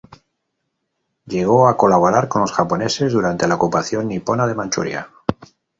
Llegó a colaborar con los japoneses durante la ocupación nipona de Manchuria.